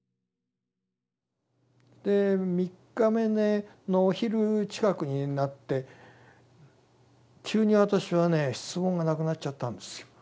で３日目のお昼近くになって急に私はね質問がなくなっちゃったんですよ。